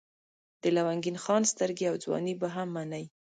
د لونګین خان سترګې او ځواني به هم منئ.